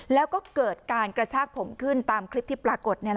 แล้วก็เกิดการกระชากผมขึ้นตามคลิปที่ปรากฏ